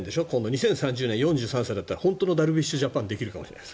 ２０３４年は本当のダルビッシュジャパンができるかもしれない。